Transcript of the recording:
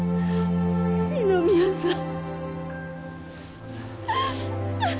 二宮さん。